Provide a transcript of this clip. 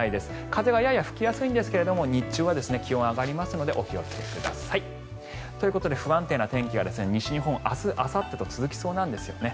風はやや吹きやすいんですが日中は気温が上がりますのでお気をつけください。ということで不安定な天気は西日本、明日あさってと続きそうなんですよね。